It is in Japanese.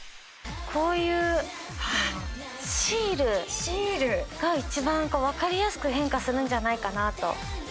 こういうシールが一番分かりやすく変化するんじゃないかなと。